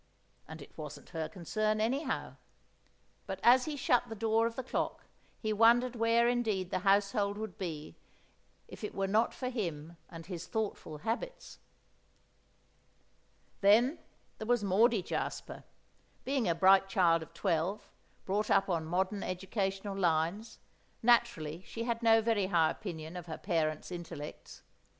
And it wasn't her concern anyhow; but as he shut the door of the clock, he wondered where indeed the household would be if it were not for him and his thoughtful habits! Then there was Maudie Jasper. Being a bright child of twelve, brought up on modern educational lines, naturally she had no very high opinion of her parents' intellects.